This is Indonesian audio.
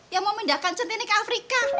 yang mau pindahkan cintini ke afrika